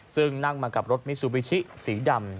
ซึ่งนั่งมากับรถมิซูบิชิสีดำ